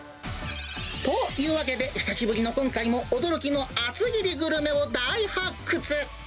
というわけで、久しぶりの今回も驚きの厚切りグルメを大発掘。